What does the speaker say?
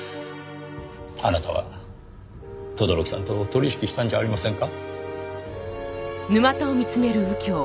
あなたは轟さんと取引したんじゃありませんか？